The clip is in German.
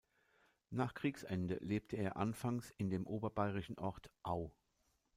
Nach Kriegsende lebte er anfangs in dem oberbayerischen Ort Au.